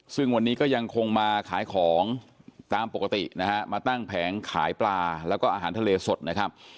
ซึ่งวันนี้ก็ยังคงมาขายของตามปกตินะฮะมาตั้งแผงขายปลาแล้วก็อาหารทะเลสดนะครับ